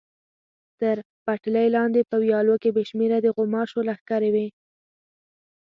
تر پټلۍ لاندې په ویالو کې بې شمېره د غوماشو لښکرې وې.